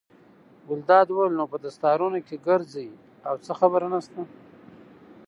ګلداد وویل: نو په دستارونو ګرځئ او څه خبره نشته.